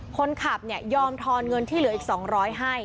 คนขับยอมทอนเงินที่เหลืออีก๒๐๐ให้